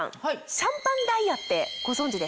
シャンパンダイヤ？